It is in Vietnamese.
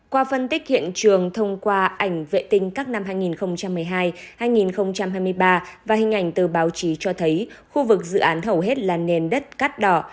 qua phân tích hiện trường thông qua ảnh vệ tinh các năm hai nghìn một mươi hai hai nghìn hai mươi ba và hình ảnh từ báo chí cho thấy khu vực dự án hầu hết là nền đất cát đỏ